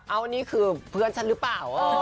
เอานี่คือเพื่อนฉันหรือเปล่า